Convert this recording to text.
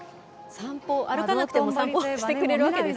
散歩、歩かなくても散歩してくれるわけですね。